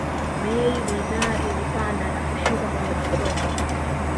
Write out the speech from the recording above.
bei bidhaa ilipanda na kushuka kwenye masoko